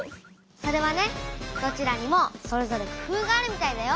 それはねどちらにもそれぞれ工夫があるみたいだよ。